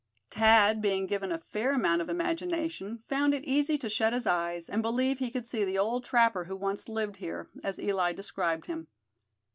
Thad, being given a fair amount of imagination, found it easy to shut his eyes, and believe he could see the old trapper who once lived here, as Eli described him.